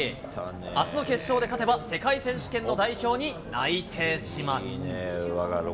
あすの決勝で勝てば、世界選手権の代表に内定します。